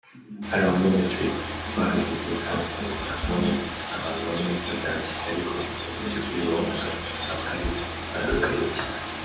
Alarm Ministries twahageze hafi saa moya abantu bamwe batashye ariko muby’ukuri wabonaga abahari barakaye cyane